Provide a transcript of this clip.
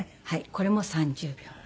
これも３０秒。